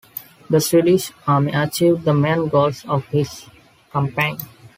The Swedish army achieved the main goals of its campaign.